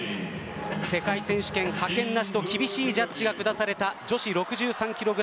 世界選手権派遣なしと厳しいジャッジが下された女子６３ｋｇ級。